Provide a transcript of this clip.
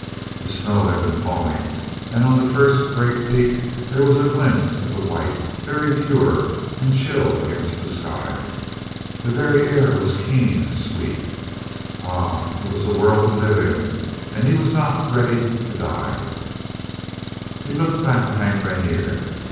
The snow had been falling, and on the first great peak there was a glint of the white, very pure and chill against the sky. The very air was keen and sweet. Ah, it was a world to live in, and he was not ready to die! He looked back to Hank Rainer.